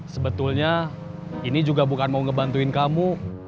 sebetulnya ini juga bukan mau ngebantuin kamu